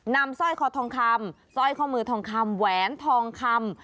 สร้อยคอทองคำสร้อยข้อมือทองคำแหวนทองคำ